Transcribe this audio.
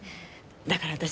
だから私